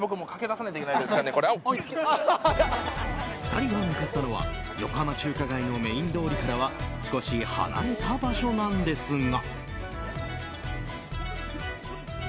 ２人が向かったのは横浜中華街のメイン通りからは少し離れた場所なんですが。